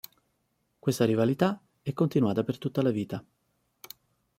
Questa rivalità è continuata per tutta la vita.